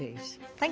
はい。